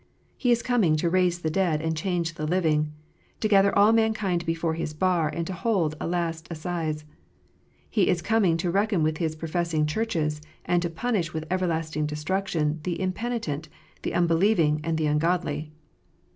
He is coming to raise the dead, and change the living ; to gather all mankind before His bar, and to hold a last assize. He is coming to reckon with His professing Churches, and to punish with ever lasting destruction the impenitent, the unbelieving, and the ungodly.